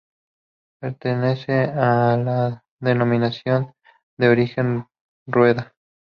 Pertenece a la Denominación de Origen Rueda.